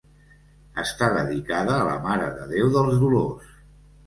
Està dedicada a la Mare de Déu dels Dolors.